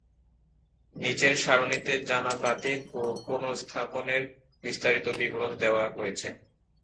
নিচের সারণিতে জানা বাতিল ও পুনঃস্থাপনের বিস্তারিত বিবরণ দেওয়া হয়েছে।